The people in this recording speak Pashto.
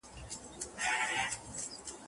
استاد د څيړني موضوع څنګه ټاکي؟